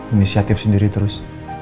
inisiatif sendiri terus